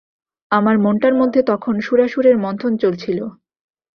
আমার মনটার মধ্যে তখন সুরাসুরের মন্থন চলছিল।